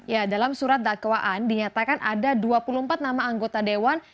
ya dalam surat dakwaan dinyatakan ada dua puluh empat nama anggota dewan